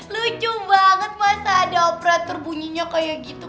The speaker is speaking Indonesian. lucu banget masa ada operator bunyinya kayak gitu